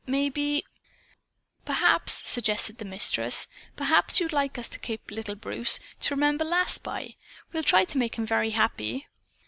Maybe " "Perhaps," suggested the Mistress, "perhaps you'd like us to keep little Bruce, to remember Lass by? We'll try to make him very happy."